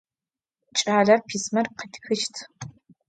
Ç'aler pismer khıtxışt.